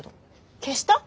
消した？